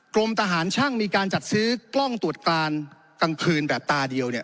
กรมทหารช่างมีการจัดซื้อกล้องตรวจกลางคืนแบบตาเดียวเนี่ย